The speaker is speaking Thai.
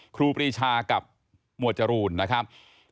ครูปรีชากับหมวดจรูนนะครับ